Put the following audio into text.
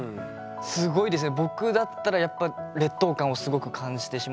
すごいですね。